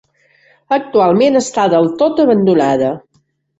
Actualment està del tot abandonada.